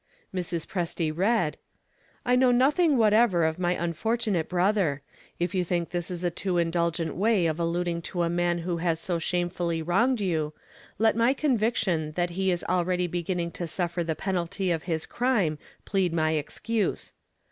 Mrs. Presty read: "I know nothing whatever of my unfortunate brother. If you think this is a too indulgent way of alluding to a man who has so shamefully wronged you, let my conviction that he is already beginning to suffer the penalty of his crime plead my excuse.